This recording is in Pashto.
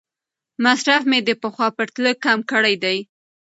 مصرف مې د پخوا په پرتله کم کړی دی.